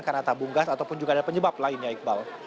karena tabung gas ataupun juga ada penyebab lainnya iqbal